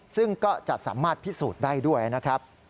ซึ่งก็จะสามารถพิสูจน์ได้ด้วยนะครับ